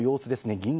銀座